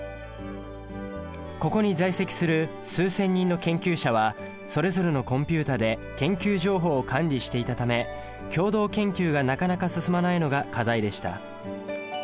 ここに在籍する数千人の研究者はそれぞれのコンピュータで研究情報を管理していたため共同研究がなかなか進まないのが課題でした。